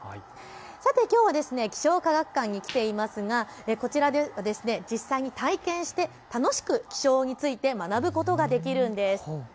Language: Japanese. さて、きょうは気象科学館に来ていますがこちらでは実際に体験して楽しく気象について学ぶことができるんです。